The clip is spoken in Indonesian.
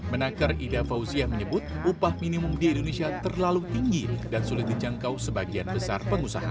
menaker ida fauziah menyebut upah minimum di indonesia terlalu tinggi dan sulit dijangkau sebagian besar pengusaha